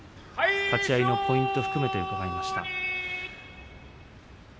立ち合いのポイントなどを伺いました。